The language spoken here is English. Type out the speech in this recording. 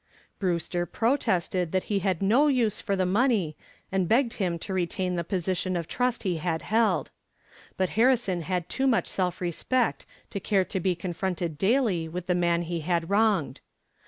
Brewster protested that he had no use for the money and begged him to retain the position of trust he had held. But Harrison had too much self respect to care to be confronted daily with the man he had wronged.